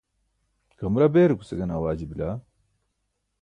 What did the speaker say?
kamara beerukuce gane awaaji bila?